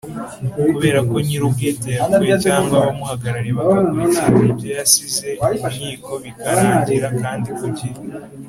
kubera ko nyir’ubwite yapfuye cyangwa abamuhagarariye bagakurikirana ibyo yasize mu nkiko bikarangira kandi kugihe